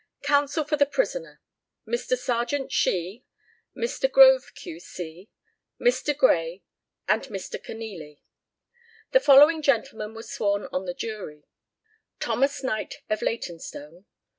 COUNSEL FOR THE PRISONER. Mr. Serjeant SHEE, Mr. GROVE, Q.C., Mr. GRAY, and Mr. KINNEALY. The following Gentlemen were sworn on THE JURY. THOMAS KNIGHT, of Leytonstone.